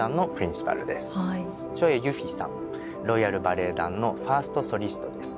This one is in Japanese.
ロイヤル・バレエ団のファーストソリストです。